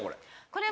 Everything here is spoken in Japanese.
これ。